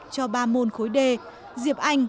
cho ba môn khối đê diệp anh